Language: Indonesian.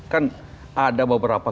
kan ada beberapa